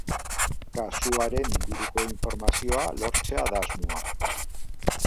Kasuaren inguruko informazioa lortzea da asmoa.